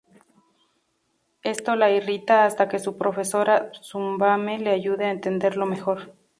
Esto la irrita hasta que su profesora Tsubame le ayuda a entenderlo mejor.